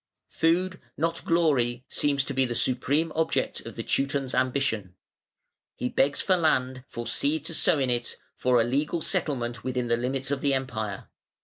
Food, not glory, seems to be the supreme object of the Teuton's ambition. He begs for land, for seed to sow in it, for a legal settlement within the limits of the Empire.